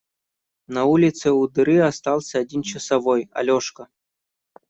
На улице у дыры остался один часовой – Алешка.